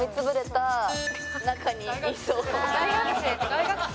大学生。